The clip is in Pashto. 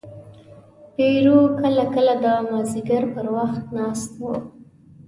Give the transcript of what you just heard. پیرو کله کله د مازدیګر پر وخت ناست و.